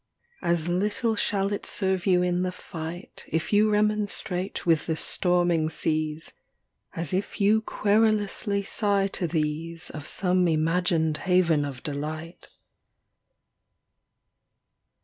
40 THE DIWAN OF ABUŌĆÖL ALA XXIX As little shall it serve you in the fight If you remonstrate with the storming seas. As if you querulously sigh to these Of some imagined haven of delight.